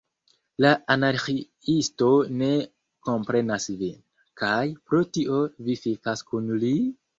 La Anarĥiisto ne komprenas vin, kaj pro tio vi fikas kun li?